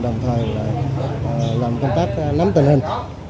đồng thời làm công tác nắm tình hình